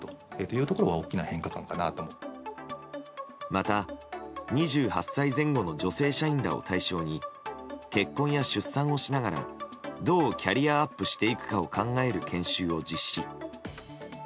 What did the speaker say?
また、２８歳前後の女性社員らを対象に結婚や出産をしながらどうキャリアアップしていくかを考える研修を実施。